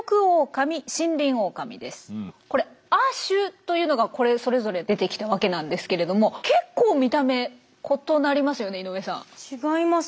これ亜種というのがそれぞれ出てきたわけなんですけれども結構見た目異なりますよね井上さん。違いますね。